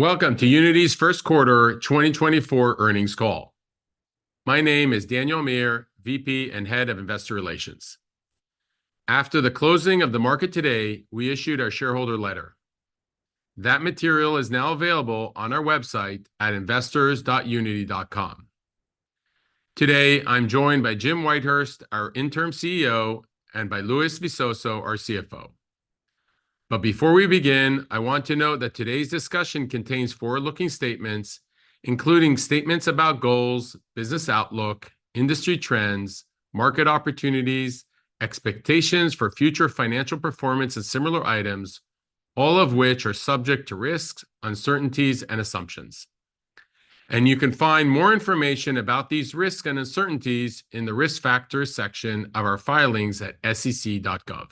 Welcome to Unity's First Quarter 2024 Earnings Call. My name is Daniel Amir, VP and Head of Investor Relations. After the closing of the market today, we issued our shareholder letter. That material is now available on our website at investors.unity.com. Today I'm joined by Jim Whitehurst, our Interim CEO, and by Luis Visoso, our CFO. But before we begin, I want to note that today's discussion contains forward-looking statements, including statements about goals, business outlook, industry trends, market opportunities, expectations for future financial performance, and similar items, all of which are subject to risks, uncertainties, and assumptions. You can find more information about these risks and uncertainties in the risk factors section of our filings at sec.gov.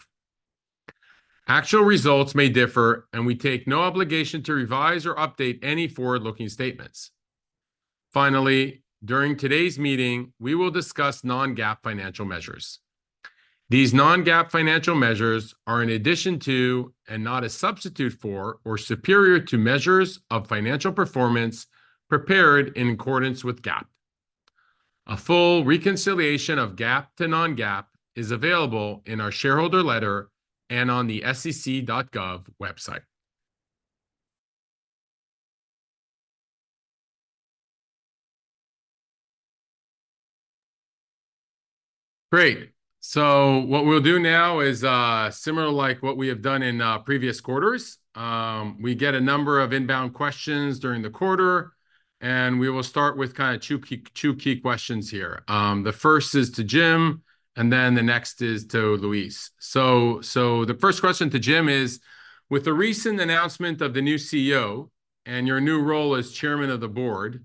Actual results may differ, and we take no obligation to revise or update any forward-looking statements. Finally, during today's meeting, we will discuss non-GAAP financial measures. These non-GAAP financial measures are in addition to, and not a substitute for, or superior to measures of financial performance prepared in accordance with GAAP. A full reconciliation of GAAP to non-GAAP is available in our shareholder letter and on the SEC.gov website. Great. So what we'll do now is similar to what we have done in previous quarters. We get a number of inbound questions during the quarter, and we will start with kind of two key questions here. The first is to Jim, and then the next is to Luis. So the first question to Jim is, with the recent announcement of the new CEO and your new role as chairman of the board,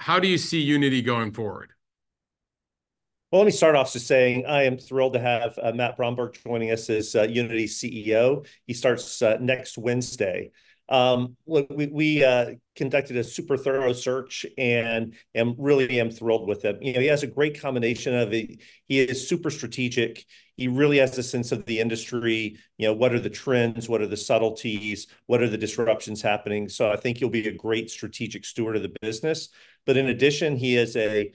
how do you see Unity going forward? Well, let me start off just saying I am thrilled to have Matt Bromberg joining us as Unity's CEO. He starts next Wednesday. We conducted a super thorough search and really am thrilled with him. He has a great combination of he is super strategic. He really has a sense of the industry. What are the trends? What are the subtleties? What are the disruptions happening? So I think he'll be a great strategic steward of the business. But in addition, he is a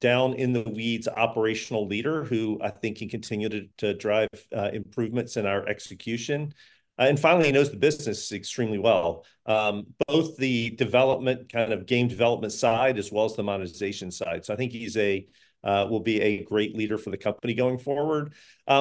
down-in-the-weeds operational leader who I think can continue to drive improvements in our execution. And finally, he knows the business extremely well, both the development kind of game development side as well as the monetization side. So I think he will be a great leader for the company going forward.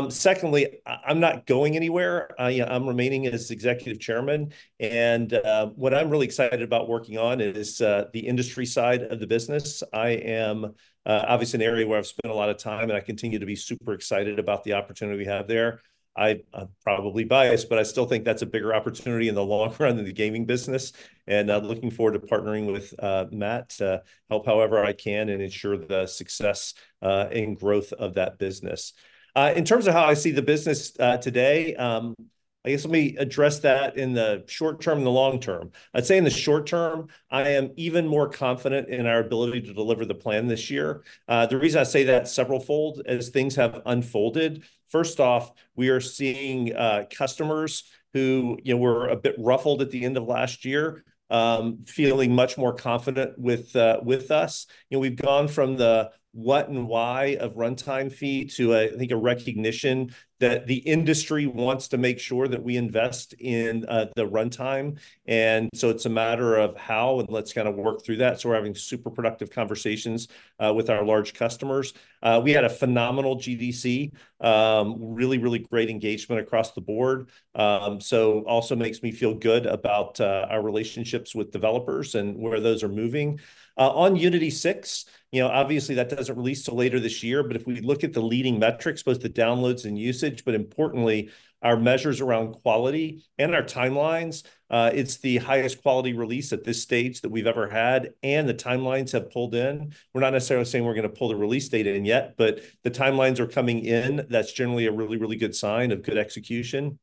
Secondly, I'm not going anywhere. I'm remaining as Executive Chairman. What I'm really excited about working on is the industry side of the business. I am obviously an area where I've spent a lot of time, and I continue to be super excited about the opportunity we have there. I'm probably biased, but I still think that's a bigger opportunity in the long run in the gaming business. Looking forward to partnering with Matt to help however I can and ensure the success and growth of that business. In terms of how I see the business today, I guess let me address that in the short term and the long term. I'd say in the short term, I am even more confident in our ability to deliver the plan this year. The reason I say that several-fold is things have unfolded. First off, we are seeing customers who were a bit ruffled at the end of last year feeling much more confident with us. We've gone from the what and why of Runtime Fee to, I think, a recognition that the industry wants to make sure that we invest in the Runtime. And so it's a matter of how, and let's kind of work through that. So we're having super productive conversations with our large customers. We had a phenomenal GDC, really, really great engagement across the board. So also makes me feel good about our relationships with developers and where those are moving. On Unity 6, obviously that doesn't release till later this year, but if we look at the leading metrics, both the downloads and usage, but importantly, our measures around quality and our timelines, it's the highest quality release at this stage that we've ever had, and the timelines have pulled in. We're not necessarily saying we're going to pull the release date in yet, but the timelines are coming in. That's generally a really, really good sign of good execution.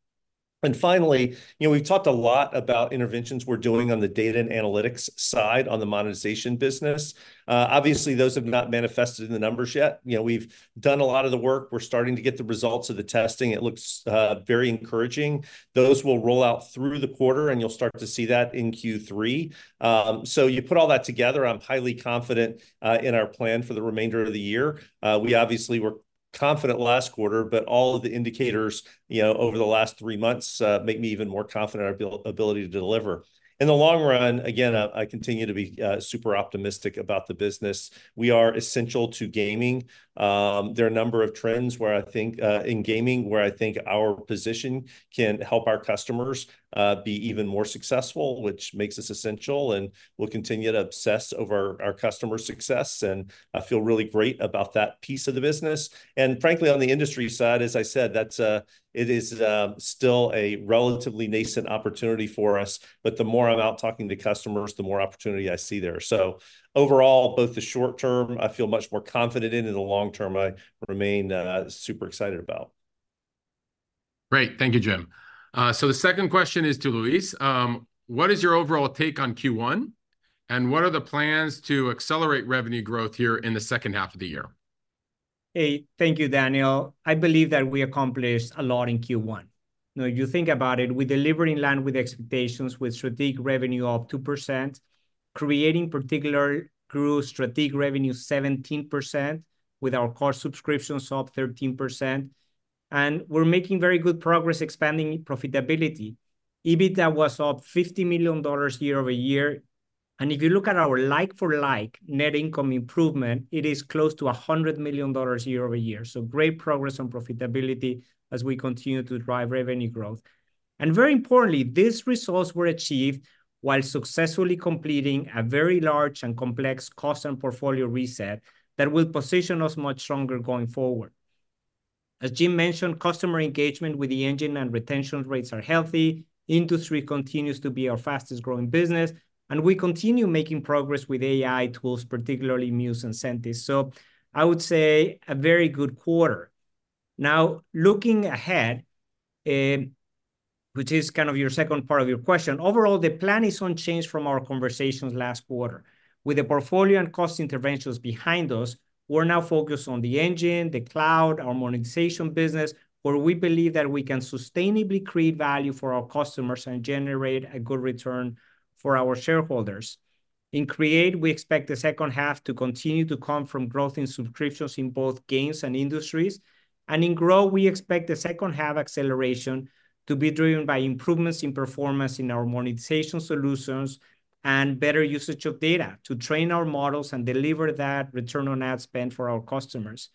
And finally, we've talked a lot about interventions we're doing on the data and analytics side on the monetization business. Obviously, those have not manifested in the numbers yet. We've done a lot of the work. We're starting to get the results of the testing. It looks very encouraging. Those will roll out through the quarter, and you'll start to see that in Q3. So you put all that together, I'm highly confident in our plan for the remainder of the year. We obviously were confident last quarter, but all of the indicators over the last three months make me even more confident in our ability to deliver. In the long run, again, I continue to be super optimistic about the business. We are essential to gaming. There are a number of trends where I think in gaming where I think our position can help our customers be even more successful, which makes us essential. We'll continue to obsess over our customer success and feel really great about that piece of the business. Frankly, on the industry side, as I said, it is still a relatively nascent opportunity for us. But the more I'm out talking to customers, the more opportunity I see there. Overall, both the short term, I feel much more confident in, and the long term, I remain super excited about. Great. Thank you, Jim. So the second question is to Luis. What is your overall take on Q1? And what are the plans to accelerate revenue growth here in the second half of the year? Hey, thank you, Daniel. I believe that we accomplished a lot in Q1. If you think about it, we delivered in line with expectations with strategic revenue of 2%, creating particular growth, strategic revenue 17% with our core subscriptions up 13%. And we're making very good progress expanding profitability. EBITDA was up $50 million year-over-year. And if you look at our like-for-like net income improvement, it is close to $100 million year-over-year. So great progress on profitability as we continue to drive revenue growth. And very importantly, these results were achieved while successfully completing a very large and complex cost and portfolio reset that will position us much stronger going forward. As Jim mentioned, customer engagement with the engine and retention rates are healthy. Industry continues to be our fastest growing business. And we continue making progress with AI tools, particularly Muse and Sentis. I would say a very good quarter. Now, looking ahead, which is kind of your second part of your question, overall, the plan is unchanged from our conversations last quarter. With the portfolio and cost interventions behind us, we're now focused on the engine, the cloud, our monetization business, where we believe that we can sustainably create value for our customers and generate a good return for our shareholders. In Create, we expect the second half to continue to come from growth in subscriptions in both games and industries. In Grow, we expect the second half acceleration to be driven by improvements in performance in our monetization solutions and better usage of data to train our models and deliver that return on ad spend for our customers.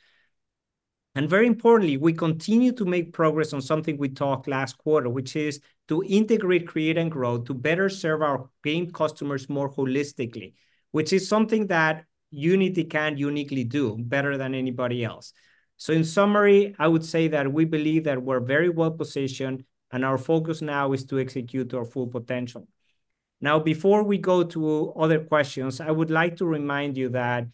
And very importantly, we continue to make progress on something we talked about last quarter, which is to integrate Create and Grow to better serve our game customers more holistically, which is something that Unity can uniquely do better than anybody else. So in summary, I would say that we believe that we're very well positioned, and our focus now is to execute our full potential. Now, before we go to other questions, I would like to remind you that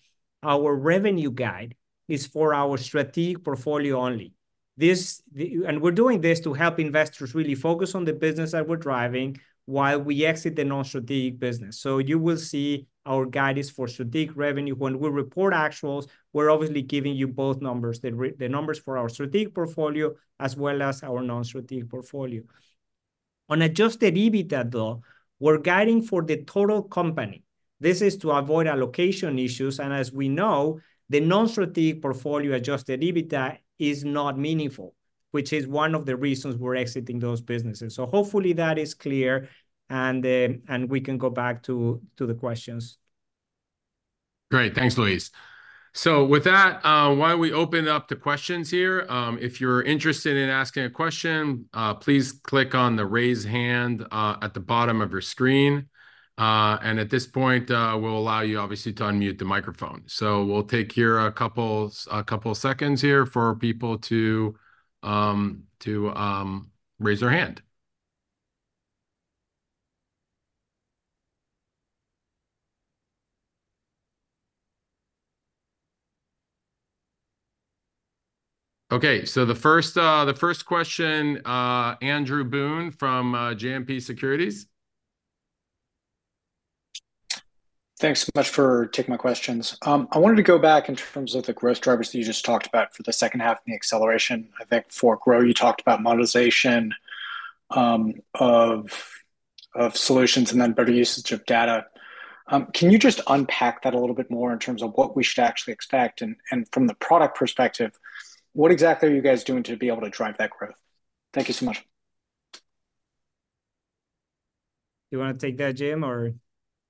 our revenue guide is for our strategic portfolio only. And we're doing this to help investors really focus on the business that we're driving while we exit the non-strategic business. So you will see our guide is for strategic revenue. When we report actuals, we're obviously giving you both numbers, the numbers for our strategic portfolio as well as our non-strategic portfolio. On Adjusted EBITDA, though, we're guiding for the total company. This is to avoid allocation issues. As we know, the non-strategic portfolio Adjusted EBITDA is not meaningful, which is one of the reasons we're exiting those businesses. Hopefully that is clear, and we can go back to the questions. Great. Thanks, Luis. So with that, why don't we open up to questions here? If you're interested in asking a question, please click on the raise hand at the bottom of your screen. And at this point, we'll allow you obviously to unmute the microphone. So we'll take here a couple seconds here for people to raise their hand. Okay. So the first question, Andrew Boone from JMP Securities. Thanks so much for taking my questions. I wanted to go back in terms of the growth drivers that you just talked about for the second half and the acceleration. I think for Grow, you talked about monetization of solutions and then better usage of data. Can you just unpack that a little bit more in terms of what we should actually expect? From the product perspective, what exactly are you guys doing to be able to drive that growth? Thank you so much. Do you want to take that, Jim, or?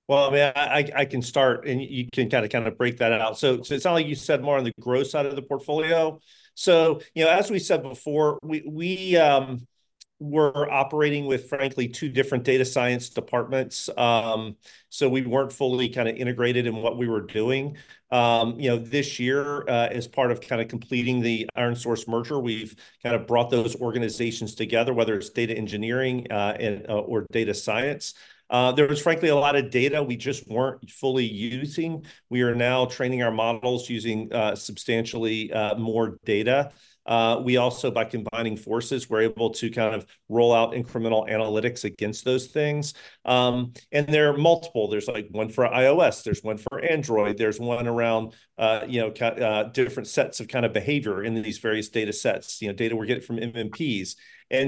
Well, I mean, I can start, and you can kind of break that out. It sounds like you said more on the growth side of the portfolio. As we said before, we were operating with, frankly, two different data science departments. We weren't fully kind of integrated in what we were doing. This year, as part of kind of completing the ironSource merger, we've kind of brought those organizations together, whether it's data engineering or data science. There was, frankly, a lot of data we just weren't fully using. We are now training our models using substantially more data. We also, by combining forces, were able to kind of roll out incremental analytics against those things. And there are multiple. There's like one for iOS. There's one for Android. There's one around different sets of kind of behavior in these various data sets, data we're getting from MMPs.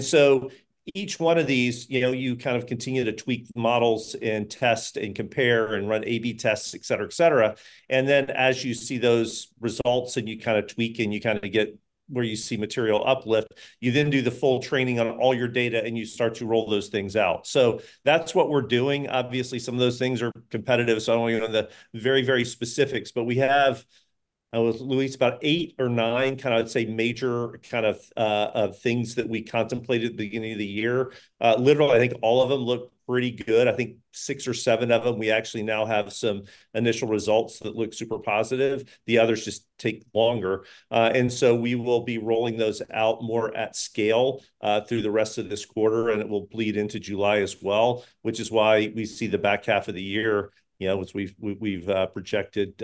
So each one of these, you kind of continue to tweak models and test and compare and run A/B tests, etc., etc. Then as you see those results and you kind of tweak and you kind of get where you see material uplift, you then do the full training on all your data and you start to roll those things out. So that's what we're doing. Obviously, some of those things are competitive, so I don't want to go into the very, very specifics. But we have, as I was telling Luis about 8 or 9 kind of, I'd say, major kind of things that we contemplated at the beginning of the year. Literally, I think all of them look pretty good. I think 6 or 7 of them, we actually now have some initial results that look super positive. The others just take longer. And so we will be rolling those out more at scale through the rest of this quarter, and it will bleed into July as well, which is why we see the back half of the year as we've projected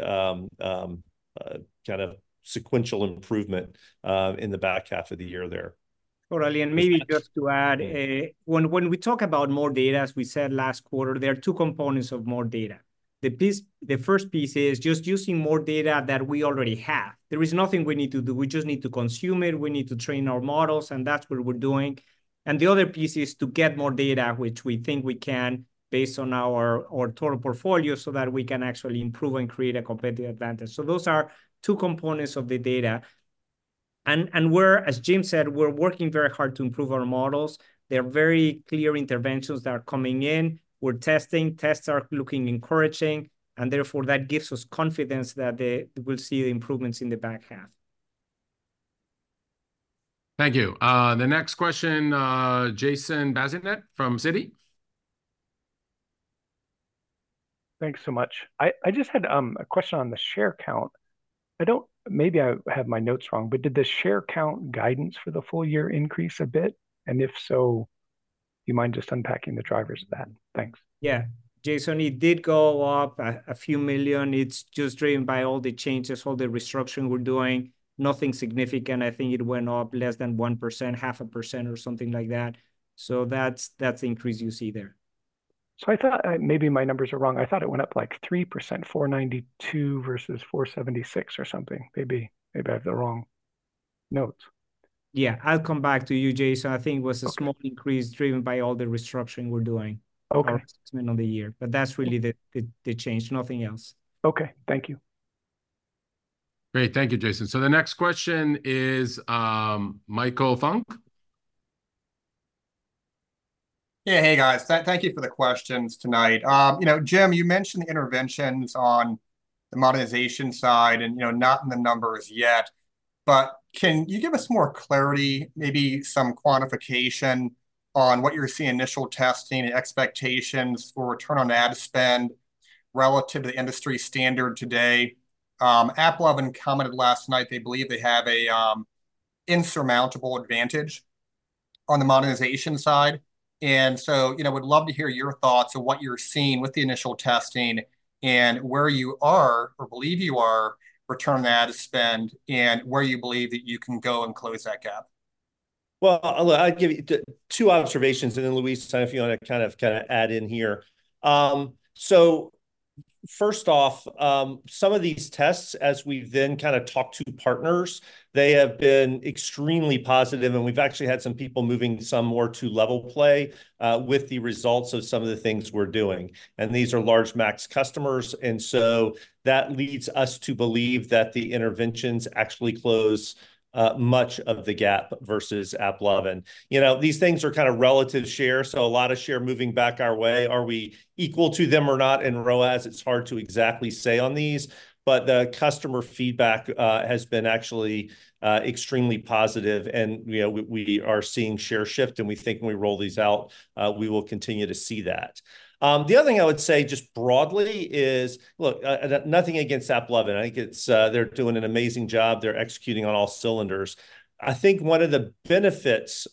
kind of sequential improvement in the back half of the year there. Coralie, and maybe just to add, when we talk about more data, as we said last quarter, there are two components of more data. The first piece is just using more data that we already have. There is nothing we need to do. We just need to consume it. We need to train our models, and that's what we're doing. And the other piece is to get more data, which we think we can, based on our total portfolio so that we can actually improve and create a competitive advantage. So those are two components of the data. And as Jim said, we're working very hard to improve our models. There are very clear interventions that are coming in. We're testing. Tests are looking encouraging. And therefore, that gives us confidence that we'll see the improvements in the back half. Thank you. The next question, Jason Bazinet from Citi. Thanks so much. I just had a question on the share count. Maybe I have my notes wrong, but did the share count guidance for the full year increase a bit? And if so, do you mind just unpacking the drivers of that? Thanks. Yeah. Jason, it did go up $a few million. It's just driven by all the changes, all the restructuring we're doing. Nothing significant. I think it went up less than 1%, 0.5%, or something like that. So that's the increase you see there. I thought maybe my numbers are wrong. I thought it went up like 3%, 492 versus 476 or something. Maybe I have the wrong notes. Yeah. I'll come back to you, Jason. I think it was a small increase driven by all the restructuring we're doing on the assessment of the year. But that's really the change. Nothing else. Okay. Thank you. Great. Thank you, Jason. So the next question is Michael Funk. Yeah. Hey, guys. Thank you for the questions tonight. Jim, you mentioned the interventions on the monetization side and not in the numbers yet. But can you give us more clarity, maybe some quantification on what you're seeing, initial testing and expectations for return on ad spend relative to the industry standard today? AppLovin commented last night they believe they have an insurmountable advantage on the monetization side. And so I would love to hear your thoughts on what you're seeing with the initial testing and where you are or believe you are return on ad spend and where you believe that you can go and close that gap. Well, look, I'll give you two observations, and then Luis, if you want to kind of add in here. So first off, some of these tests, as we've then kind of talked to partners, they have been extremely positive. And we've actually had some people moving some more to LevelPlay with the results of some of the things we're doing. And these are large MAX customers. And so that leads us to believe that the interventions actually close much of the gap versus AppLovin. These things are kind of relative share. So a lot of share moving back our way. Are we equal to them or not in ROAS? It's hard to exactly say on these. But the customer feedback has been actually extremely positive. And we are seeing share shift. And we think when we roll these out, we will continue to see that. The other thing I would say just broadly is, look, nothing against AppLovin. I think they're doing an amazing job. They're executing on all cylinders. I think one of the benefits,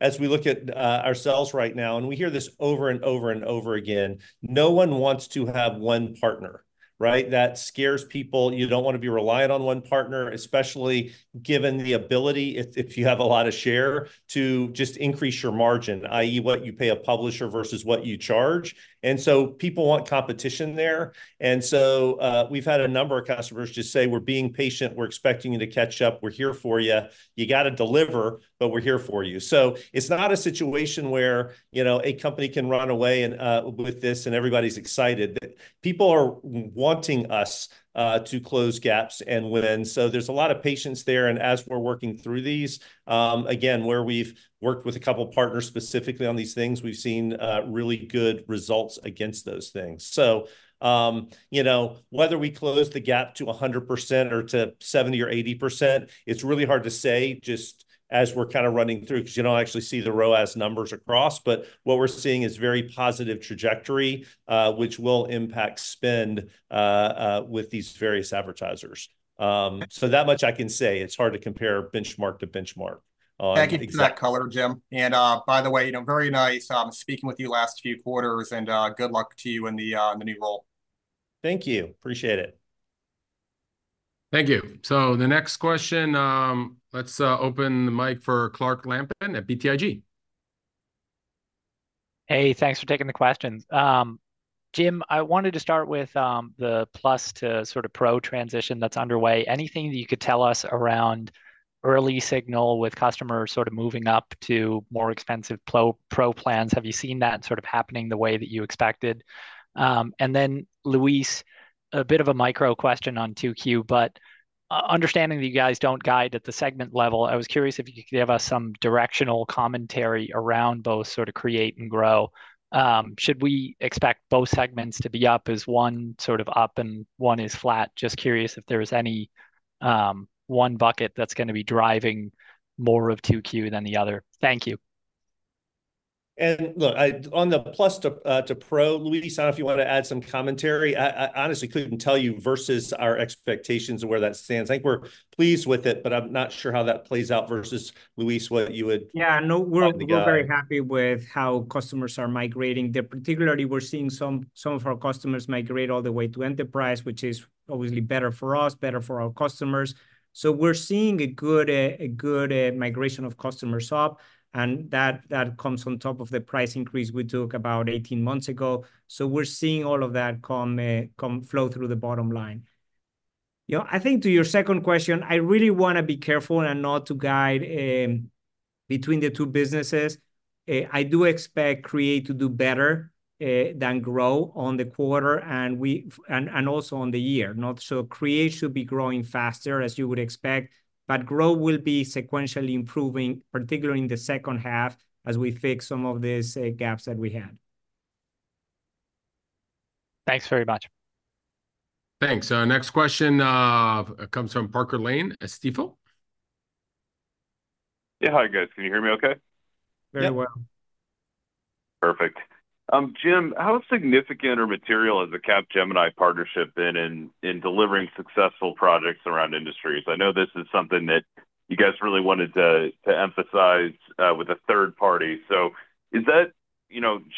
as we look at ourselves right now, and we hear this over and over and over again, no one wants to have one partner, right? That scares people. You don't want to be reliant on one partner, especially given the ability, if you have a lot of share, to just increase your margin, i.e., what you pay a publisher versus what you charge. And so people want competition there. And so we've had a number of customers just say, "We're being patient. We're expecting you to catch up. We're here for you. You got to deliver, but we're here for you." So it's not a situation where a company can run away with this and everybody's excited. People are wanting us to close gaps and win. So there's a lot of patience there. And as we're working through these, again, where we've worked with a couple of partners specifically on these things, we've seen really good results against those things. So whether we close the gap to 100% or to 70% or 80%, it's really hard to say just as we're kind of running through because you don't actually see the ROAS numbers across. But what we're seeing is very positive trajectory, which will impact spend with these various advertisers. So that much I can say. It's hard to compare benchmark to benchmark on. Thank you for that color, Jim. And by the way, very nice speaking with you last few quarters. And good luck to you in the new role. Thank you. Appreciate it. Thank you. So the next question, let's open the mic for Clark Lampen at BTIG. Hey, thanks for taking the questions. Jim, I wanted to start with the Plus to sort of Pro transition that's underway. Anything that you could tell us around early signal with customers sort of moving up to more expensive Pro plans? Have you seen that sort of happening the way that you expected? And then, Luis, a bit of a micro question on 2Q, but understanding that you guys don't guide at the segment level, I was curious if you could give us some directional commentary around both sort of Create and Grow. Should we expect both segments to be up? Is one sort of up and one is flat? Just curious if there's any one bucket that's going to be driving more of 2Q than the other. Thank you. And look, on the Plus to Pro, Luis, I don't know if you want to add some commentary. I honestly couldn't tell you versus our expectations of where that stands. I think we're pleased with it, but I'm not sure how that plays out versus Luis, what you would. Yeah. No, we're very happy with how customers are migrating. Particularly, we're seeing some of our customers migrate all the way to Enterprise, which is obviously better for us, better for our customers. So we're seeing a good migration of customers up. And that comes on top of the price increase we took about 18 months ago. So we're seeing all of that flow through the bottom line. I think to your second question, I really want to be careful and not to guide between the two businesses. I do expect Create to do better than Grow on the quarter and also on the year. So Create should be growing faster as you would expect, but Grow will be sequentially improving, particularly in the second half as we fix some of these gaps that we had. Thanks very much. Thanks. Next question comes from Parker Lane at Stifel. Yeah. Hi, guys. Can you hear me okay? Very well. Perfect. Jim, how significant or material has the Capgemini partnership been in delivering successful projects around industries? I know this is something that you guys really wanted to emphasize with a third party. So is that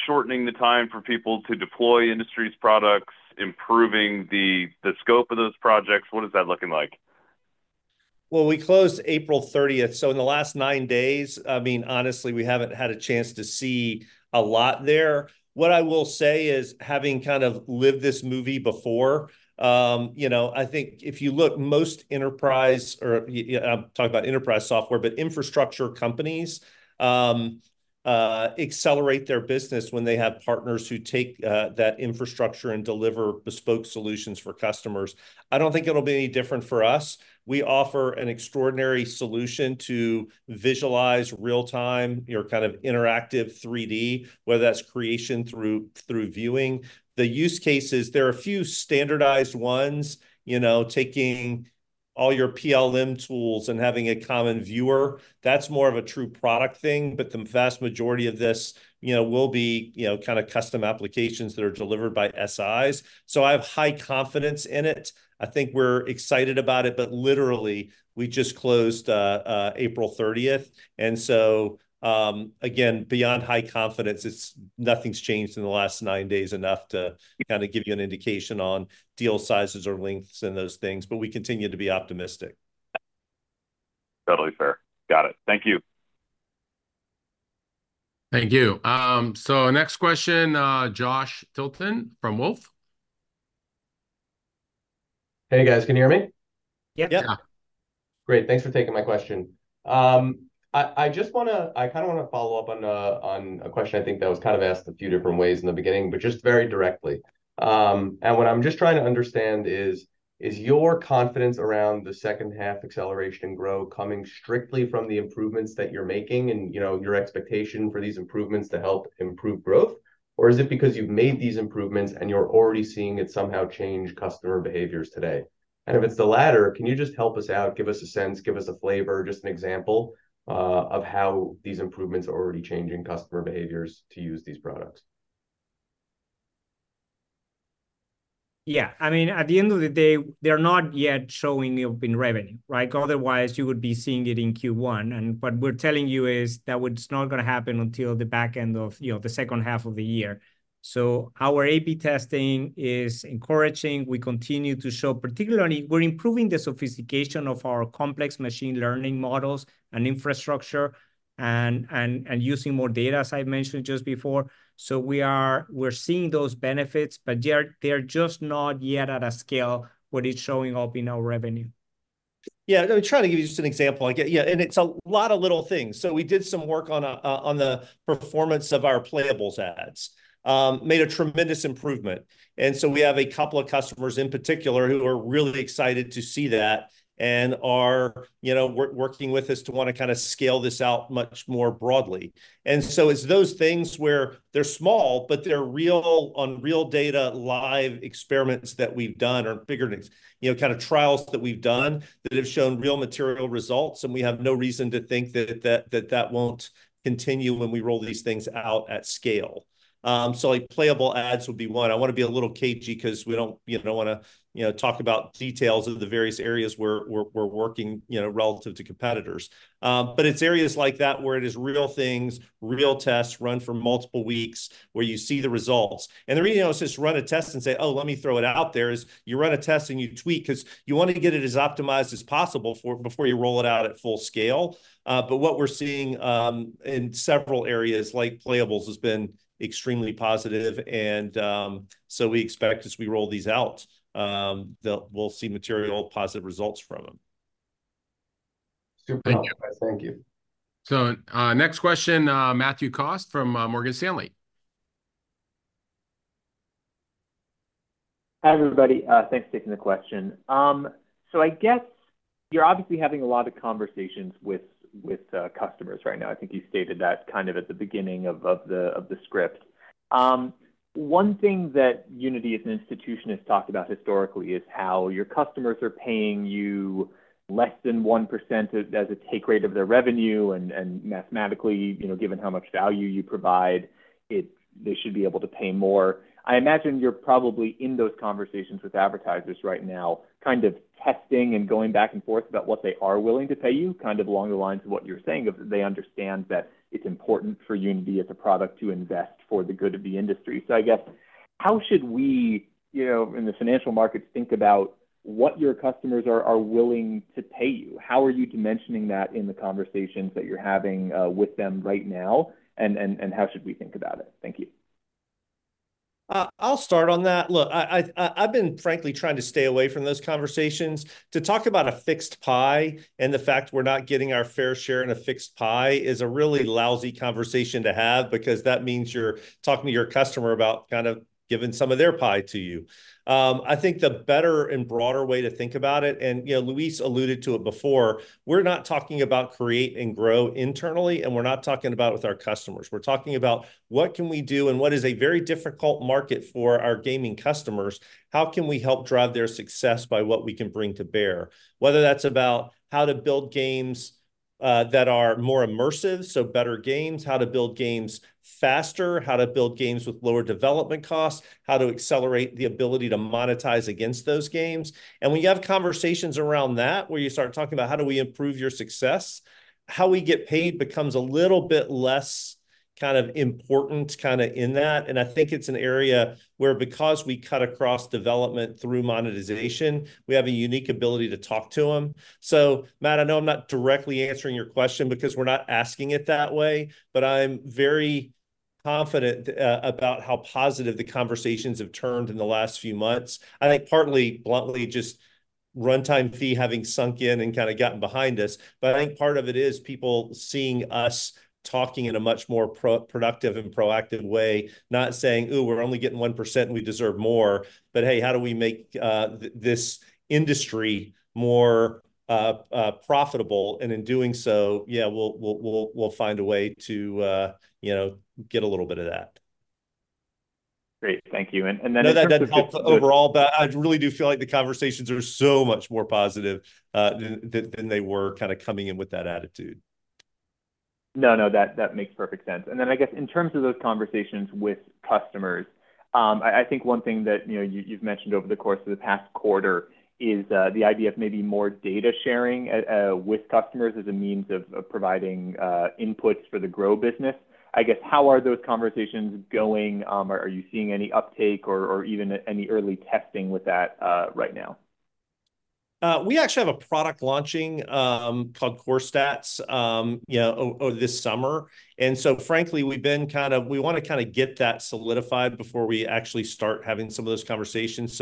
shortening the time for people to deploy industry's products, improving the scope of those projects? What is that looking like? Well, we closed April 30th. So in the last nine days, I mean, honestly, we haven't had a chance to see a lot there. What I will say is having kind of lived this movie before, I think if you look, most enterprise or I'm talking about enterprise software, but infrastructure companies accelerate their business when they have partners who take that infrastructure and deliver bespoke solutions for customers. I don't think it'll be any different for us. We offer an extraordinary solution to visualize real-time, your kind of interactive 3D, whether that's creation through viewing. The use cases, there are a few standardized ones, taking all your PLM tools and having a common viewer. That's more of a true product thing. But the vast majority of this will be kind of custom applications that are delivered by SIs. So I have high confidence in it. I think we're excited about it. But literally, we just closed April 30th. And so again, beyond high confidence, nothing's changed in the last nine days enough to kind of give you an indication on deal sizes or lengths and those things. But we continue to be optimistic. Totally fair. Got it. Thank you. Thank you. Next question, Josh Tilton from Wolfe. Hey, guys. Can you hear me? Yeah. Yeah. Great. Thanks for taking my question. I kind of want to follow up on a question I think that was kind of asked a few different ways in the beginning, but just very directly. And what I'm just trying to understand is, is your confidence around the second-half acceleration and growth coming strictly from the improvements that you're making and your expectation for these improvements to help improve growth? Or is it because you've made these improvements and you're already seeing it somehow change customer behaviors today? And if it's the latter, can you just help us out, give us a sense, give us a flavor, just an example of how these improvements are already changing customer behaviors to use these products? Yeah. I mean, at the end of the day, they're not yet showing up in revenue, right? Otherwise, you would be seeing it in Q1. And what we're telling you is that's not going to happen until the back end of the second half of the year. So our A/B testing is encouraging. We continue to show, particularly, we're improving the sophistication of our complex machine learning models and infrastructure and using more data, as I mentioned just before. So we're seeing those benefits, but they're just not yet at a scale where it's showing up in our revenue. Yeah. I'm trying to give you just an example. Yeah. And it's a lot of little things. So we did some work on the performance of our playable ads, made a tremendous improvement. And so we have a couple of customers in particular who are really excited to see that and are working with us to want to kind of scale this out much more broadly. And so it's those things where they're small, but they're real on real data, live experiments that we've done or bigger things, kind of trials that we've done that have shown real material results. And we have no reason to think that that won't continue when we roll these things out at scale. So playable ads would be one. I want to be a little cagey because we don't want to talk about details of the various areas where we're working relative to competitors. But it's areas like that where it is real things, real tests run for multiple weeks where you see the results. And the reason I always say run a test and say, "Oh, let me throw it out there," is you run a test and you tweak because you want to get it as optimized as possible before you roll it out at full scale. But what we're seeing in several areas like playables has been extremely positive. And so we expect as we roll these out, we'll see material positive results from them. Super. Thank you. Thank you. So next question, Matthew Cost from Morgan Stanley. Hi, everybody. Thanks for taking the question. So I guess you're obviously having a lot of conversations with customers right now. I think you stated that kind of at the beginning of the script. One thing that Unity as an institution has talked about historically is how your customers are paying you less than 1% as a take rate of their revenue. And mathematically, given how much value you provide, they should be able to pay more. I imagine you're probably in those conversations with advertisers right now, kind of testing and going back and forth about what they are willing to pay you, kind of along the lines of what you're saying, if they understand that it's important for Unity as a product to invest for the good of the industry. I guess how should we in the financial markets think about what your customers are willing to pay you? How are you dimensioning that in the conversations that you're having with them right now? How should we think about it? Thank you. I'll start on that. Look, I've been, frankly, trying to stay away from those conversations. To talk about a fixed pie and the fact we're not getting our fair share in a fixed pie is a really lousy conversation to have because that means you're talking to your customer about kind of giving some of their pie to you. I think the better and broader way to think about it, and Luis alluded to it before, we're not talking about Create and Grow internally, and we're not talking about it with our customers. We're talking about what can we do, and what is a very difficult market for our gaming customers? How can we help drive their success by what we can bring to bear? Whether that's about how to build games that are more immersive, so better games, how to build games faster, how to build games with lower development costs, how to accelerate the ability to monetize against those games. When you have conversations around that where you start talking about how do we improve your success, how we get paid becomes a little bit less kind of important kind of in that. I think it's an area where, because we cut across development through monetization, we have a unique ability to talk to them. So, Matt, I know I'm not directly answering your question because we're not asking it that way, but I'm very confident about how positive the conversations have turned in the last few months. I think partly, bluntly, just Runtime Fee having sunk in and kind of gotten behind us. But I think part of it is people seeing us talking in a much more productive and proactive way, not saying, "Ooh, we're only getting 1% and we deserve more." But, hey, how do we make this industry more profitable? And in doing so, yeah, we'll find a way to get a little bit of that. Great. Thank you. And then. No, that helped overall. I really do feel like the conversations are so much more positive than they were kind of coming in with that attitude. No, no. That makes perfect sense. And then I guess in terms of those conversations with customers, I think one thing that you've mentioned over the course of the past quarter is the idea of maybe more data sharing with customers as a means of providing inputs for the Grow business. I guess how are those conversations going? Are you seeing any uptake or even any early testing with that right now? We actually have a product launching called CoreStats this summer. So, frankly, we want to kind of get that solidified before we actually start having some of those conversations.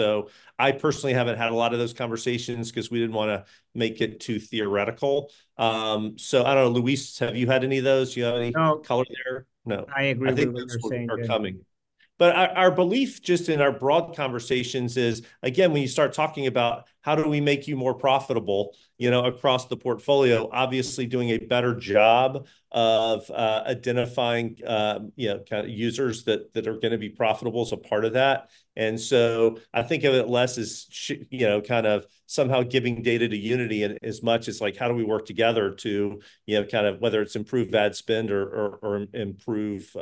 I personally haven't had a lot of those conversations because we didn't want to make it too theoretical. So I don't know, Luis, have you had any of those? Do you have any color there? No. No. I agree with what you're saying. But our belief just in our broad conversations is, again, when you start talking about how do we make you more profitable across the portfolio, obviously doing a better job of identifying kind of users that are going to be profitable as a part of that. And so I think of it less as kind of somehow giving data to Unity as much as how do we work together to kind of whether it's improve ad spend or improve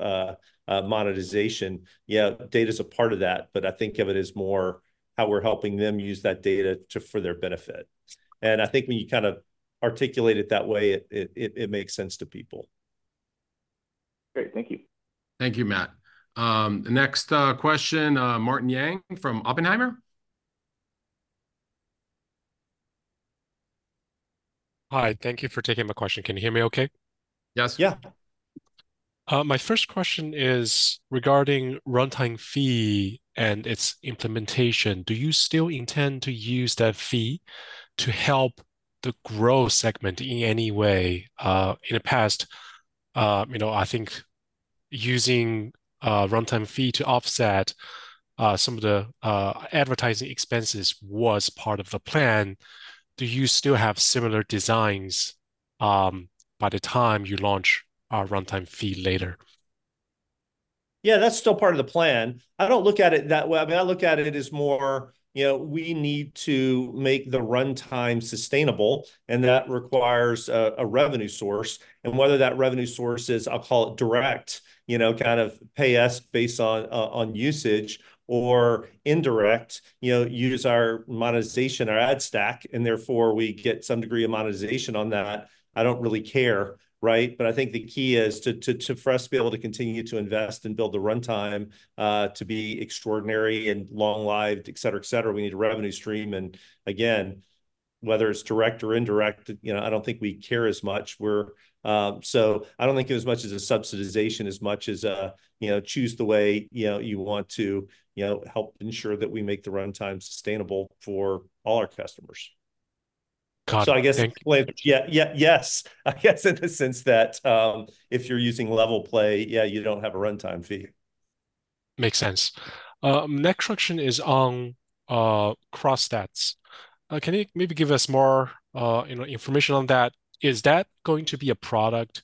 monetization. Data is a part of that. But I think of it as more how we're helping them use that data for their benefit. And I think when you kind of articulate it that way, it makes sense to people. Great. Thank you. Thank you, Matt. Next question, Martin Yang from Oppenheimer. Hi. Thank you for taking my question. Can you hear me okay? Yes. Yeah. My first question is regarding Runtime Fee and its implementation. Do you still intend to use that fee to help the growth segment in any way? In the past, I think using Runtime Fee to offset some of the advertising expenses was part of the plan. Do you still have similar designs by the time you launch Runtime Fee later? Yeah, that's still part of the plan. I don't look at it that way. I mean, I look at it as more we need to make the runtime sustainable, and that requires a revenue source. And whether that revenue source is, I'll call it direct, kind of pay us based on usage, or indirect, use our monetization, our ad stack, and therefore we get some degree of monetization on that, I don't really care, right? But I think the key is for us to be able to continue to invest and build the runtime to be extraordinary and long-lived, etc., etc. We need a revenue stream. And again, whether it's direct or indirect, I don't think we care as much. So I don't think as much as a subsidization, as much as choose the way you want to help ensure that we make the runtime sustainable for all our customers. Got it. Thank you. So, I guess yeah, yes. I guess in the sense that if you're using LevelPlay, yeah, you don't have a Runtime Fee. Makes sense. Next question is on CoreStats. Can you maybe give us more information on that? Is that going to be a product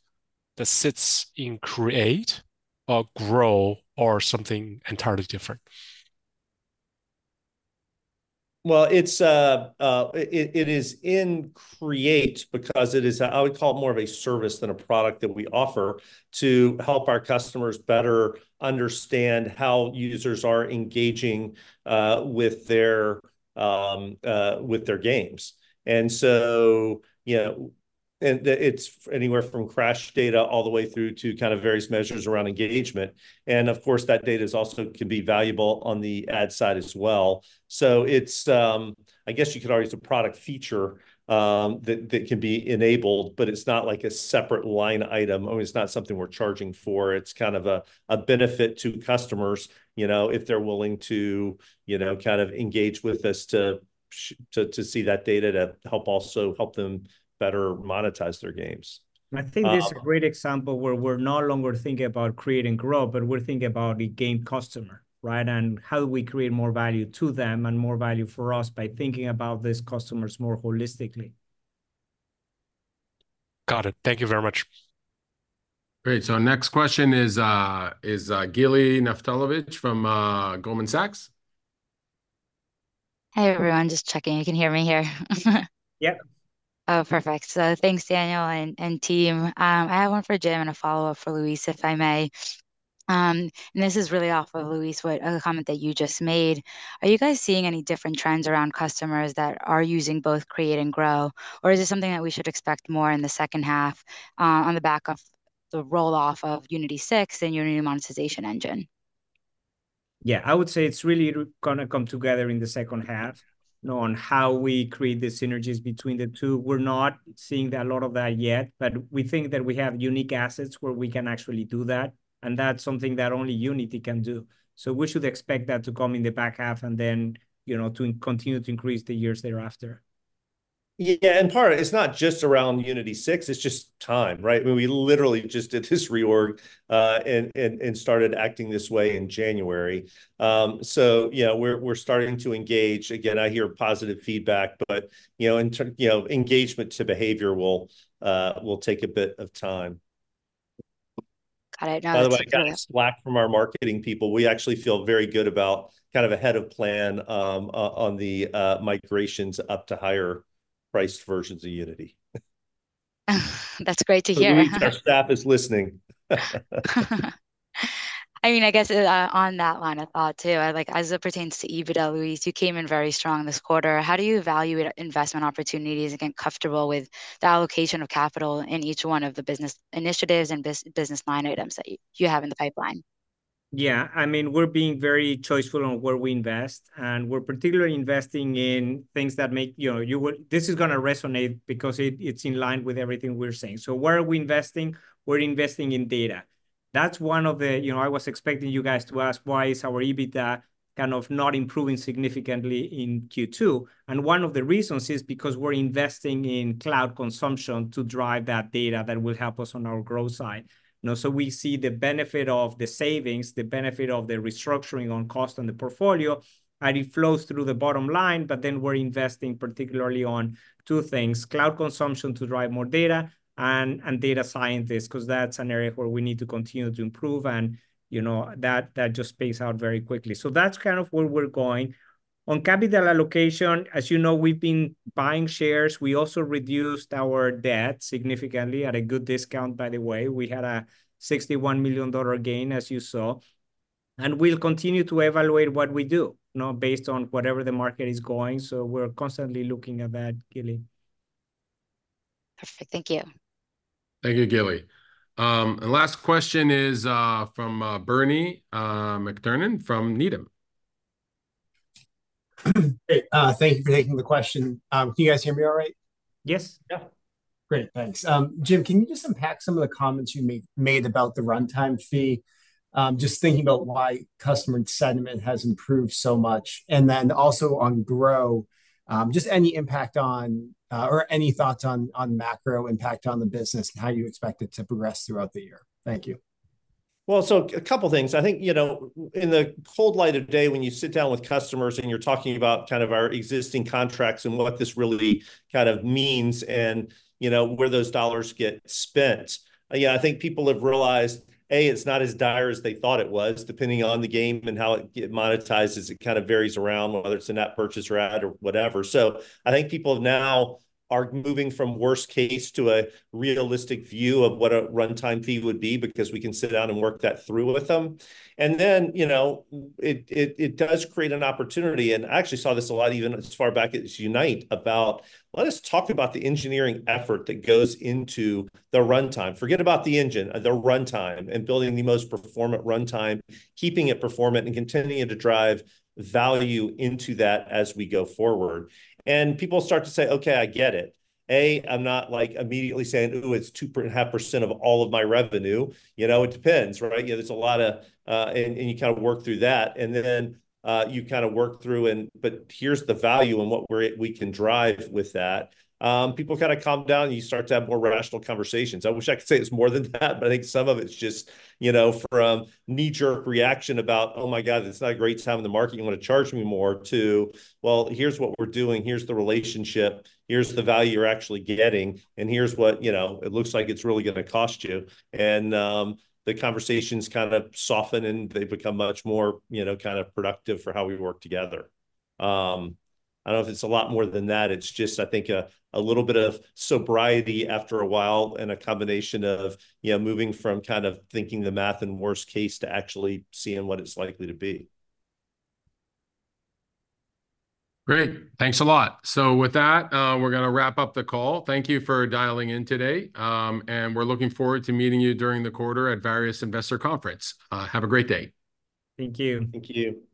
that sits in Create or Grow or something entirely different? Well, it is in Create because it is, I would call it, more of a service than a product that we offer to help our customers better understand how users are engaging with their games. And so it's anywhere from crash data all the way through to kind of various measures around engagement. And of course, that data also can be valuable on the ad side as well. So I guess you could argue it's a product feature that can be enabled, but it's not like a separate line item. I mean, it's not something we're charging for. It's kind of a benefit to customers if they're willing to kind of engage with us to see that data to help also help them better monetize their games. I think there's a great example where we're no longer thinking about Create and Grow, but we're thinking about the game customer, right? And how do we create more value to them and more value for us by thinking about these customers more holistically? Got it. Thank you very much. Great. So next question is Gili Naftalovich from Goldman Sachs. Hey, everyone. Just checking. You can hear me here? Yep. Oh, perfect. So thanks, Daniel and team. I have one for Jim and a follow-up for Luis, if I may. This is really off of Luis' comment that you just made. Are you guys seeing any different trends around customers that are using both Create and Grow, or is it something that we should expect more in the second half on the back of the rolloff of Unity 6 and Unity Monetization Engine? Yeah. I would say it's really going to come together in the second half on how we create the synergies between the two. We're not seeing a lot of that yet, but we think that we have unique assets where we can actually do that. And that's something that only Unity can do. So we should expect that to come in the back half and then to continue to increase the years thereafter. Yeah. And part of it, it's not just around Unity 6. It's just time, right? I mean, we literally just did this reorg and started acting this way in January. So we're starting to engage. Again, I hear positive feedback, but engagement to behavior will take a bit of time. Got it. Now, that's great. By the way, I got a Slack from our marketing people. We actually feel very good about kind of ahead of plan on the migrations up to higher-priced versions of Unity. That's great to hear. Our staff is listening. I mean, I guess on that line of thought too, as it pertains to EBITDA, Luis, you came in very strong this quarter. How do you evaluate investment opportunities and get comfortable with the allocation of capital in each one of the business initiatives and business line items that you have in the pipeline? Yeah. I mean, we're being very choiceful on where we invest. And we're particularly investing in things that make this is going to resonate because it's in line with everything we're saying. So where are we investing? We're investing in data. That's one of the I was expecting you guys to ask why is our EBITDA kind of not improving significantly in Q2. And one of the reasons is because we're investing in cloud consumption to drive that data that will help us on our growth side. So we see the benefit of the savings, the benefit of the restructuring on cost on the portfolio, and it flows through the bottom line. But then we're investing particularly on two things: cloud consumption to drive more data and data scientists because that's an area where we need to continue to improve. And that just pays out very quickly. So that's kind of where we're going. On capital allocation, as you know, we've been buying shares. We also reduced our debt significantly at a good discount, by the way. We had a $61 million gain, as you saw. And we'll continue to evaluate what we do based on whatever the market is going. So we're constantly looking at that, Gili. Perfect. Thank you. Thank you, Gili. Last question is from Bernie McTernan from Needham. Hey. Thank you for taking the question. Can you guys hear me all right? Yes. Yeah. Great. Thanks. Jim, can you just unpack some of the comments you made about the Runtime Fee, just thinking about why customer sentiment has improved so much, and then also on Grow, just any impact on or any thoughts on macro impact on the business and how you expect it to progress throughout the year? Thank you. Well, so a couple of things. I think in the cold light of day, when you sit down with customers and you're talking about kind of our existing contracts and what this really kind of means and where those dollars get spent, yeah, I think people have realized, A, it's not as dire as they thought it was. Depending on the game and how it monetizes, it kind of varies around whether it's a net purchase or add or whatever. So I think people now are moving from worst case to a realistic view of what a Runtime Fee would be because we can sit down and work that through with them. And then it does create an opportunity. And I actually saw this a lot even as far back as Unite about, "Let us talk about the engineering effort that goes into the runtime. Forget about the engine, the runtime, and building the most performant runtime, keeping it performant, and continuing to drive value into that as we go forward." And people start to say, "Okay, I get it." Ah, I'm not immediately saying, "Ooh, it's 2.5% of all of my revenue." It depends, right? There's a lot of and you kind of work through that. And then you kind of work through, "But here's the value and what we can drive with that." People kind of calm down and you start to have more rational conversations. I wish I could say it's more than that, but I think some of it's just from knee-jerk reaction about, "Oh my God, it's not a great time in the market. You want to charge me more," to, "Well, here's what we're doing. Here's the relationship. Here's the value you're actually getting. And here's what it looks like it's really going to cost you." And the conversations kind of soften and they become much more kind of productive for how we work together. I don't know if it's a lot more than that. It's just, I think, a little bit of sobriety after a while and a combination of moving from kind of thinking the math in worst case to actually seeing what it's likely to be. Great. Thanks a lot. So with that, we're going to wrap up the call. Thank you for dialing in today. And we're looking forward to meeting you during the quarter at various investor conference. Have a great day. Thank you. Thank you.